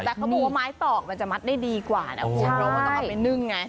แต่เขาบอกว่าไม้ตอกมันจะมัดได้ดีกว่านะคุณเพราะว่าต้องเอาไปนึ่งไง